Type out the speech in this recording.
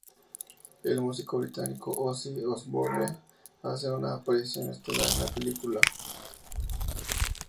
El músico británico Ozzy Osbourne hace una aparición estelar en la película.